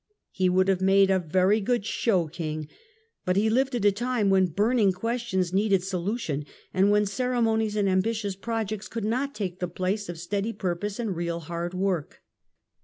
He would have made a very good show King, but he lived at a time when burning ques tions needed solution, and when ceremonies and ambi tious projects could not take the place of steady purpose and real hard work.